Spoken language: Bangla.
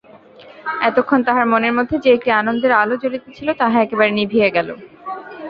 এতক্ষণ তাহার মনের মধ্যে যে-একটি আনন্দের আলো জ্বলিতেছিল তাহা একেবারে নিবিয়া গেল।